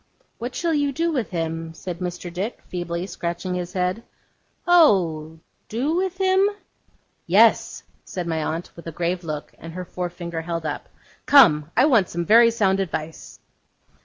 'What shall you do with him?' said Mr. Dick, feebly, scratching his head. 'Oh! do with him?' 'Yes,' said my aunt, with a grave look, and her forefinger held up. 'Come! I want some very sound advice.